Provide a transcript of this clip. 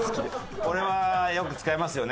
これはよく使いますよね。